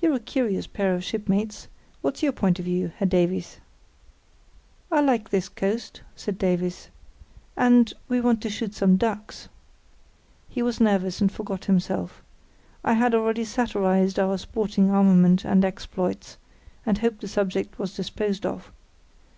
"You're a curious pair of shipmates; what's your point of view, Herr Davies?" "I like this coast," said Davies. "And—we want to shoot some ducks." He was nervous, and forgot himself. I had already satirised our sporting armament and exploits, and hoped the subject was disposed of.